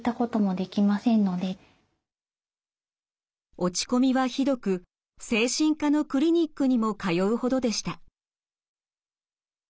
落ち込みはひどく精神科のクリニックにも通うほどでした。